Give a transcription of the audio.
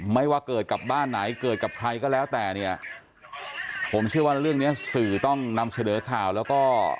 ว่าเกิดกับบ้านไหนเกิดกับใครก็แล้วแต่เนี่ยผมเชื่อว่าเรื่องเนี้ยสื่อต้องนำเสนอข่าวแล้วก็